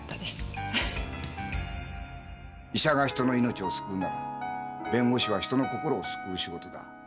医者が人の命を救うなら弁護士は人の心を救う仕事だ。